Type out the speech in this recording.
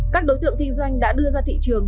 các đối tượng kinh doanh đã đưa ra thị trường